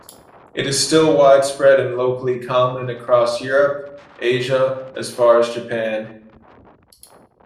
It is still widespread and locally common across Europe, Asia as far as Japan.